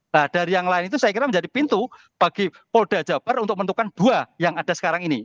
nah dari yang lain itu saya kira menjadi pintu bagi polda jabar untuk menentukan dua yang ada sekarang ini